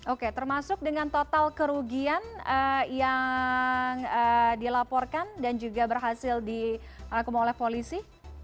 oke termasuk dengan total kerugian yang dilaporkan dan juga berhasil diakumu oleh polisi